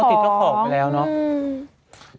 ติดเจ้าของไปแล้วเนาะ